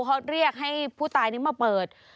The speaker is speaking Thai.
เขาเรียกให้ผู้ตายนี้มาเปิด